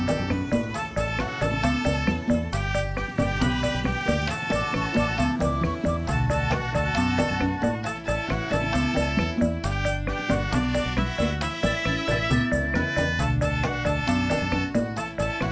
kamu tuh kalau